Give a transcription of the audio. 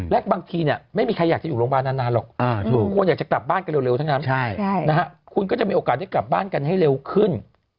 และบางทีไม่มีใครอยากจะอยู่โรงพยาบาลนานหรอกทุกคนอยากจะกลับบ้านกันเร็วทั้งนั้นคุณก็จะมีโอกาสได้กลับบ้านกันให้เร็วขึ้น